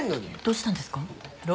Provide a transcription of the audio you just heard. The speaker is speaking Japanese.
どうしたんですか？